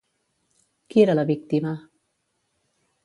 Qui era la víctima?